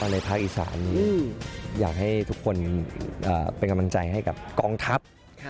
ในภาคอีสานอยากให้ทุกคนเป็นกำลังใจให้กับกองทัพ